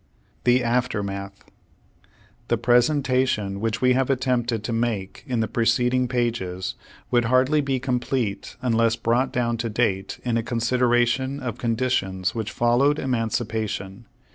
THE AFTERMATH The presentation which we have attempted to make in the preceding pages, would hardly be complete unless brought down to date, in a con sideration of conditions which followed emancipa tion.